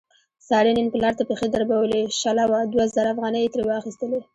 سارې نن پلار ته پښې دربولې، شله وه دوه زره افغانۍ یې ترې واخستلې.